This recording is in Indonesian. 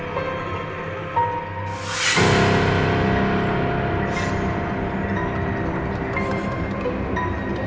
jangan salah mengcheneghimu